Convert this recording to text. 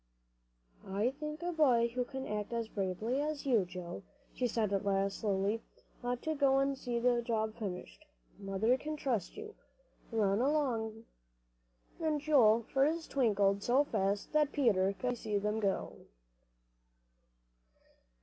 "I think a boy who can act as bravely as you have, Joe," she said at last, slowly, "ought to go and see the job finished. Mother can trust you. Run along," and Joel's feet twinkled so fast that Peter could hardly see them go.